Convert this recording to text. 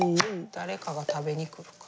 誰かが食べに来るかも。